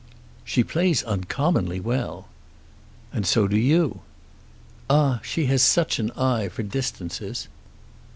"She plays uncommonly well." "And so do you." "Ah, she has such an eye for distances."